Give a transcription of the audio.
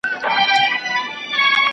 د برانډ جوړول د ارزښت زیاتوالي لامل دی.